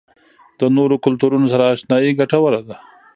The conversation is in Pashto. د نورو کلتورونو سره آشنايي ګټوره ده.